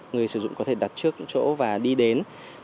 người sử dụng có thể đặt trước chỗ và đi đến